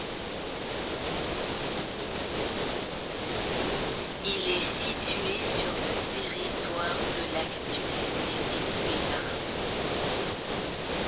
Il est situé sur le territoire de l'actuel Venezuela.